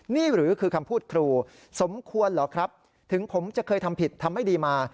นี่หรือคือคำพูดครูสมควรเหรอครับถึงผมจะเคยทำผิดทำไม่ดีมา